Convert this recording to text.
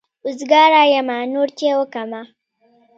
وزګاره يمه نور چای وکمه.